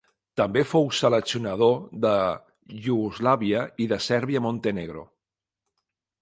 També fou seleccionador de Iugoslàvia i de Sèrbia-Montenegro.